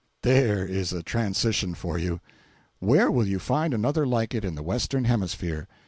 413.jpg (94K) There is a transition for you! Where will you find another like it in the Western hemisphere?